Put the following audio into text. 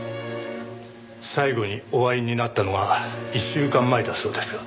最後にお会いになったのは１週間前だそうですが。